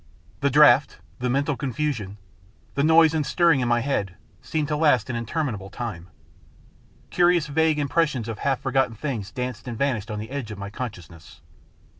The draught, the mental con fusion, the noise and stirring in my head, seemed to last an interminable time. Curious vague impres sions of half forgotten things danced and vanished on the edge of my consciousness.